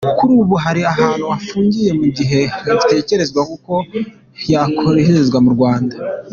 Kuri ubu ari ahantu afungiye mu gihe hagitekerezwa uko yakoherezwa mu Rwanda.